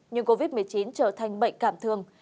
nhưng covid một mươi chín trở thành bệnh cảm thường